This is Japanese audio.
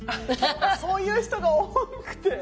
そういう人が多くて。